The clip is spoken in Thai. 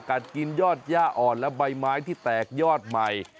กัดกินยอดย่าอ่อนและใบไม้ที่แตกยอดใหม่